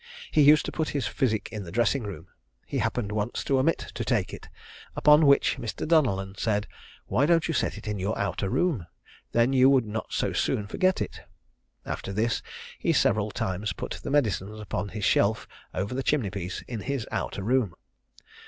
He used to put his physic in the dressing room. He happened once to omit to take it; upon which Mr. Donellan said, "Why don't you set it in your outer room? then you would not so soon forget it." After this he several times put the medicines upon his shelf over the chimney piece in his outer room.